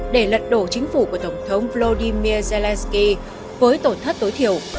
để lật đổ chính phủ của tổng thống vladimir zelensky với tổn thất tối thiểu